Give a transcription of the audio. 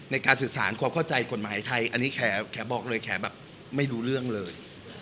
ในการสื่อสารความเข้าใจกฎหมายไทยอันนี้แขบอกเลยแขแบบไม่รู้เรื่องเลย